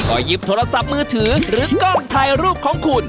ก็หยิบโทรศัพท์มือถือหรือกล้องถ่ายรูปของคุณ